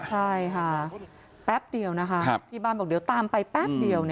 ใช่ค่ะแป๊บเดียวนะคะที่บ้านบอกเดี๋ยวตามไปแป๊บเดียว